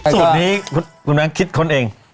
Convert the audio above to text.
สูตรนี้คุณแบงค์คิดค้นเอง